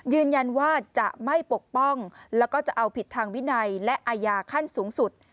ยืนยันว่าจะไม่ปกป้องแล้วก็จะเอาผิดทางวินัยและอาญาขั้นสูงสุด